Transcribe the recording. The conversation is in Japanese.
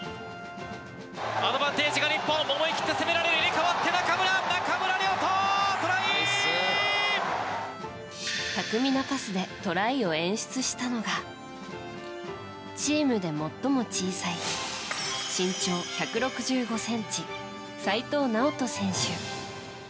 アドバンテージが日本、思い切って攻められる、中村、巧みなパスでトライを演出したのが、チームで最も小さい身長１６５センチ、齋藤直人選手。